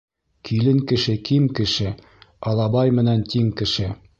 Килен кеше ким кеше, алабай менән тиң кеше.